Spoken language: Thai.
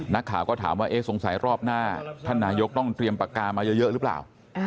นักข่าวก็ถามว่าเอ๊ะสงสัยรอบหน้าท่านนายกต้องเตรียมปากกามาเยอะหรือเปล่า